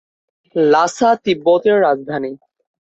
লাসা তিব্বত এর রাজধানী।